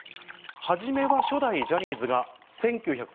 初めは初代ジャニーズが１９００